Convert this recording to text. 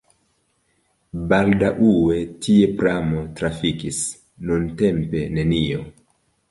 Baldaŭe tie pramo trafikis, nuntempe nenio.